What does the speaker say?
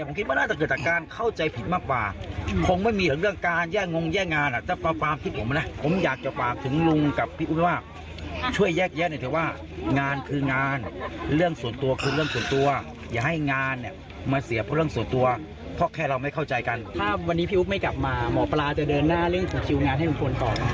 วันนี้พี่อุบิริยาไม่กลับมาหมอปลาจะเดินหน้าเรื่องของคิวงานให้ลุงพลต่อ